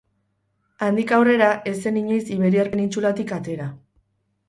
Handik aurrera ez zen inoiz iberiar penintsulatik atera.